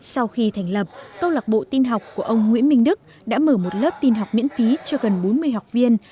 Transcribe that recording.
sau khi thành lập câu lạc bộ tin học của ông nguyễn minh đức đã mở một lớp tin học miễn phí cho gần bốn mươi học viên